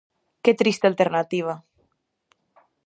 Que triste alternativa!